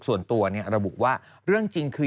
ส่วนตัวระบุว่าเรื่องจริงคือ